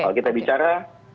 kalau kita bicara